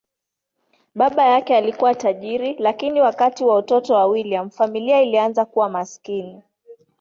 Baba yake alikuwa tajiri, lakini wakati wa utoto wa William, familia ilianza kuwa maskini.